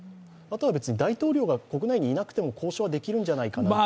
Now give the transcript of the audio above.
別に大統領が国内にいなくても交渉はできるんじゃないかという。